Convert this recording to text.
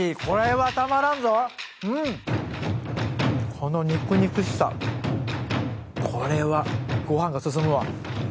この肉々しさこれはご飯が進むわ。